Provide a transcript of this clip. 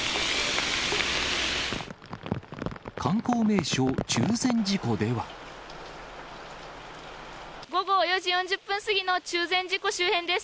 観光名所、午後４時４０分過ぎの中禅寺湖周辺です。